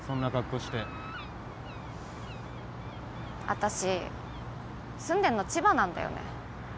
あたし住んでんの千葉なんだよね。